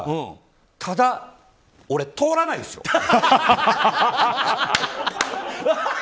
ただ、俺通らないですよ！